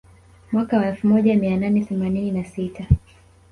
Mwaka wa elfu moja mia nane themanini na sita